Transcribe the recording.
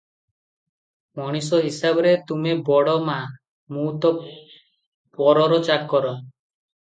ମଣିଷ ହିସାବରେ ତୁମେ ବଡ଼ ମା, ମୁଁ ତ ପରର ଚାକର ।